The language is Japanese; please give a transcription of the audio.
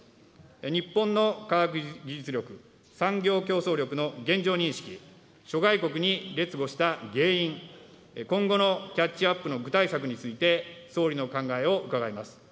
日本の科学技術力、産業競争力の現状認識、諸外国に劣後した原因、今後のキャッチアップの具体策について、総理の考えを伺います。